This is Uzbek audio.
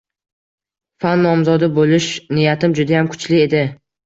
Fan nomzodi boʻlish niyatim judayam kuchli edi.